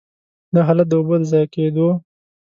دا حالت د اوبو د ضایع کېدو.